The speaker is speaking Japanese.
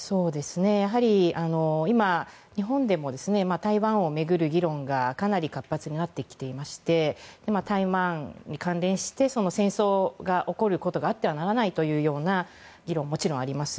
やはり今、日本でも台湾を巡る議論がかなり活発になってきていまして台湾に関連して戦争が起こることがあってはならないというような議論がもちろんあります。